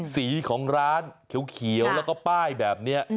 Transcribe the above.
สีของร้านเขียวแล้วก็ป้ายแบบนี้